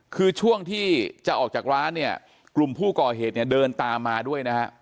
คือช่วงที่จะออกจากร้านเนี่ยกลุ่มผู้ก่อเหตุเนี่ยเดินตามมาด้วยนะฮะ